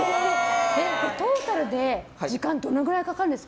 トータルで時間はどのくらいかかるんですか？